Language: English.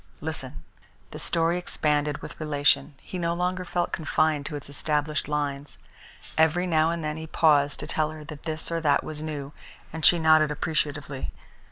Listen." The story expanded with relation. He no longer felt confined to its established lines. Every now and then he paused to tell her that this or that was new, and she nodded appreciatively.